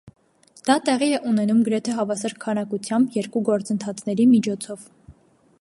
Դա տեղի է ունենում գրեթե հավասար քանակությամբ երկու գործընթացների միջոցով։